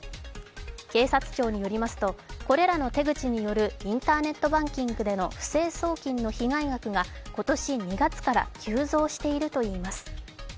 警察庁によりますと、これらの手口によるインターネットバンキングでの不正送金の被害額が今年２月から急増しているといいます。